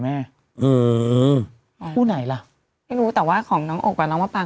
อืมคู่ไหนล่ะไม่รู้แต่ว่าของน้องอกกับน้องมะปัง